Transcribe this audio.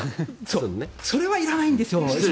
それはいらないんですよ。